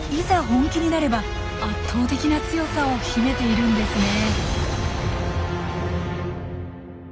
本気になれば圧倒的な強さを秘めているんですね。